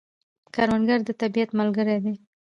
کروندګر د طبیعت ملګری دی